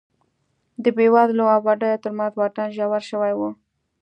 د بېوزلو او بډایو ترمنځ واټن ژور شوی و